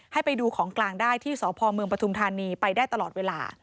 ให้ไปดูของกลางได้ที่สพเมืองปฐุมธานีไปได้ตลอดเวลา